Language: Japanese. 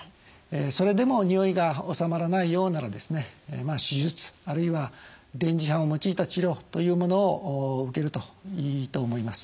それでもにおいが治まらないようなら手術あるいは電磁波を用いた治療というものを受けるといいと思います。